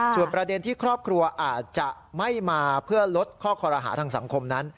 ส่วนประเด็นที่ครอบครัวอาจจะไม่มาเพื่อลดข้อคอรหาทางสังคมนั้น